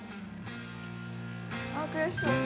悔しそう。